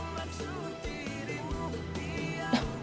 masa ada pembeli gak